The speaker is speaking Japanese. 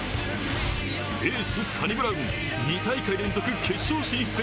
エース、サニブラウン、２大会連続決勝進出。